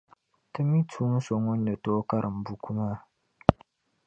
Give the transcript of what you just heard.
Timmi tuun’ so ŋun ni tooi karim buku maa.